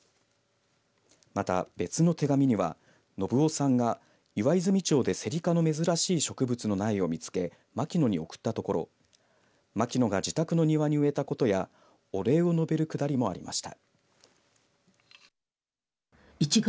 また、別の手紙には信夫さんが岩泉町でせり科の珍しい植物の苗を見つけ牧野に送ったところ牧野が自宅の庭に植えたことやお礼を述べるくだりもありました。